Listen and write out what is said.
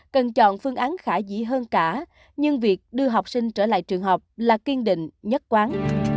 cần chọn phương án khả dĩ hơn cả nhưng việc đưa học sinh trở lại trường học là kiên định nhất quán